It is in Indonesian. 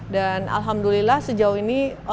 dan alhamdulillah sejauh ini